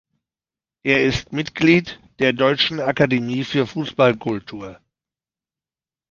Er ist Mitglied der Deutschen Akademie für Fußball-Kultur.